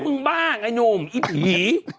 ก็พึงบ้างไอหนูมเล็กผี